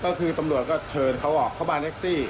ก็คือตำรวจก็เชิญเขาออกเข้ามาแท็กซี่